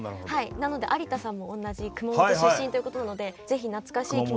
なので有田さんも同じ熊本出身ということなのでぜひ懐かしい気持ちに。